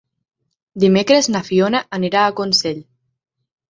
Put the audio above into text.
Dimecres na Fiona anirà a Consell.